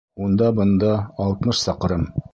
Унда-бында алтмыш саҡрым!